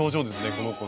この子ね。